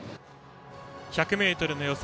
１００ｍの予選